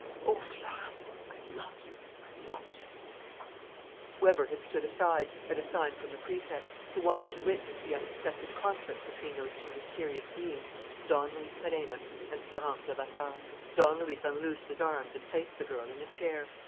Oh, Florence, I love you, I love you " Weber had stood aside, at a sign from the Prefect, who wanted to witness the unexpected conflict between those two mysterious beings, Don Luis Perenna and Florence Levasseur. Don Luis unloosed his arms and placed the girl in a chair.